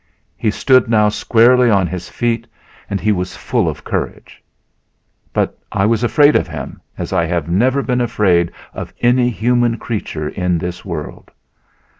He stood now squarely on his feet and he was full of courage. But I was afraid of him as I have never been afraid of any human creature in this world!